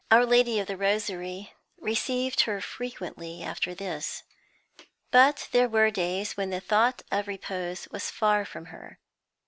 Our Lady of the Rosary received her frequently after this. But there were days when the thought of repose was far from her.